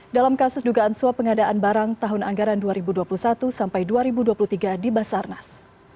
dalam kasus dugaan suap pengadaan barang tahun anggaran dua ribu dua puluh satu sampai dua ribu dua puluh tiga di basarnas